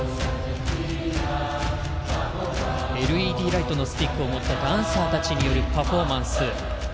ＬＥＤライトのスティックを持ったダンサーたちによるパフォーマンス。